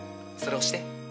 それ押して。